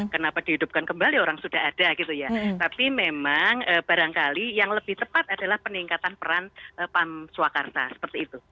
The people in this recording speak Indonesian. kenapa dihidupkan kembali orang sudah ada gitu ya tapi memang barangkali yang lebih tepat adalah peningkatan peran pam swakarta seperti itu